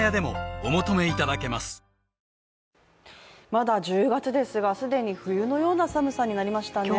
まだ１０月ですが既に冬のような寒さになりましたね。